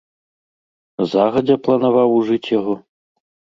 Загадзя планаваў ужыць яго?